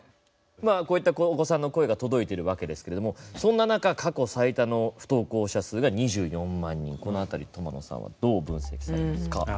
こういったお子さんの声が届いてるわけですけどもそんな中、過去最多の不登校者数が２４万人この辺り、苫野さんはどう分析されますか？